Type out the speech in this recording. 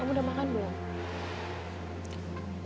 kamu udah makan belum